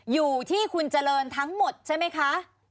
อยู่ที่คุณเจริญทั้งหมดใช่ไหมคะ